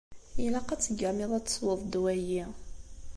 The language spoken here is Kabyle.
Ilaq ad teggamiḍ ad tesweḍ ddwa-yi.